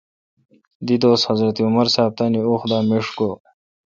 دیدوس حضرت عمر صاب تانی وخ دا میݭ گو۔